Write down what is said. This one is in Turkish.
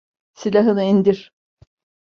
Silahını indir.